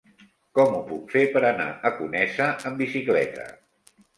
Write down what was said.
Com ho puc fer per anar a Conesa amb bicicleta?